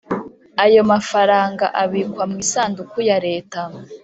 Ayo mafaranga abikwa mu isanduku ya leta